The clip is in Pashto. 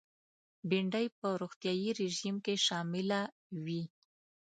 بېنډۍ په روغتیایي رژیم کې شامله وي